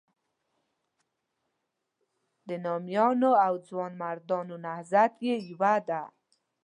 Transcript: د نامیانو او ځوانمردانو نهضت یې یوه ده.